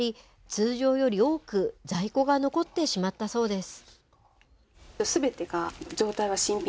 通常より多く在庫が残ってしまったそうです。